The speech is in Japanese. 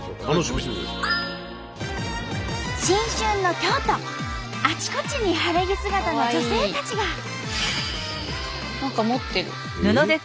あちこちに晴れ着姿の女性たちが。